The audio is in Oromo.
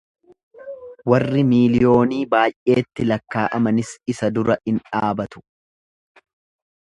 warri miliyoonii baay'eetti lakkaa'amanis isa dura in dhaabatu;